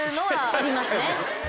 ありますね。